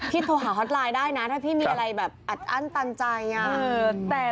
พี่โทรหาฮอตไลน์ได้นะถ้าพี่มีอะไรอัดอั้นตันใจ